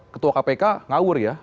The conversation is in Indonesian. ketua kpk ngawur ya